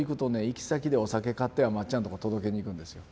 行き先でお酒買ってはまっちゃんのとこ届けに行くんですよ。